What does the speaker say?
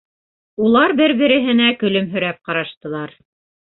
Улар бер-береһенә көлөмһөрәп ҡараштылар.